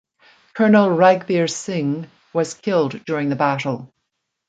Colonel Raghbir Singh was killed during the battle.